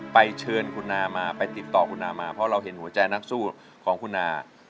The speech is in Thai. เชิญคุณนามาไปติดต่อคุณนามาเพราะเราเห็นหัวใจนักสู้ของคุณนา